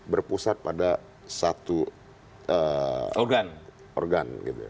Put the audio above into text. berpusat pada satu organ